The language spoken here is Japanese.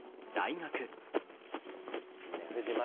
ねえ藤丸。